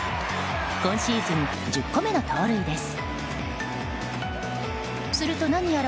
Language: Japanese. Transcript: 今シーズン１０個目の盗塁です。